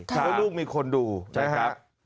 เพราะลูกมีคนดูนะฮะ